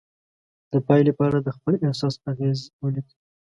د پایلې په اړه د خپل احساس اغیز ولیکئ.